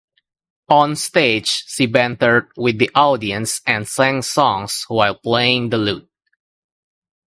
On stage she bantered with the audience and sang songs while playing the lute.